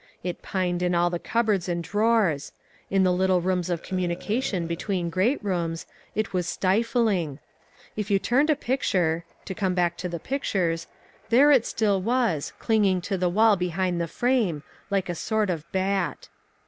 It pined in all the cupboards and drawers. In the little rooms of communication between great rooms, it was stifling. If you turned a picture—to come back to the pictures—there it still was, clinging to the wall behind the frame, like a sort of bat.